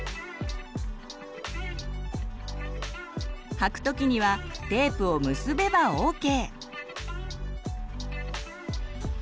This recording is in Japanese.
はく時にはテープを結べばＯＫ！